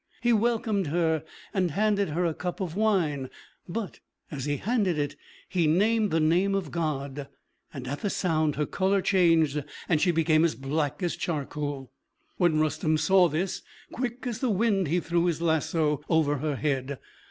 He welcomed her, and handed her a cup of wine; but, as he handed it, he named the name of God, and at the sound her color changed, and she became as black as charcoal. When Rustem saw this, quick as the wind he threw his lasso over her head.